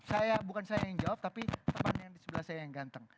saya bukan saya yang jawab tapi teman yang di sebelah saya yang ganteng